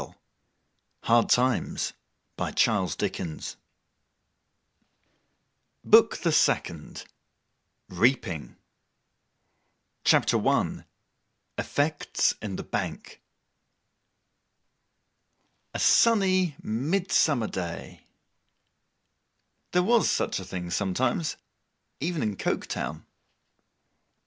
END OF THE FIRST BOOK BOOK THE SECOND REAPING CHAPTER I EFFECTS IN THE BANK A SUNNY midsummer day. There was such a thing sometimes, even in Coketown.